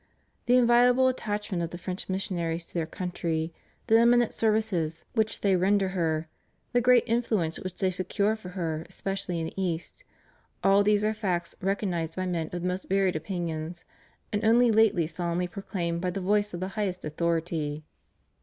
The inviolable attachment of the French missionaries to their country, the eminent services which they render 500 THE RELIGIOUS CONGREGATIONS IN FRANCE. her, the great influence which they secure for her especially in the East, all these are facts recognized by men of the most varied opinions, and only lately solemnly proclaimed by the voice of the highest authority.